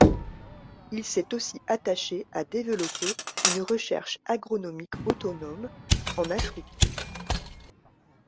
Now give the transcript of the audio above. Il s’est aussi attaché à développer une recherche agronomique autonome en Afrique.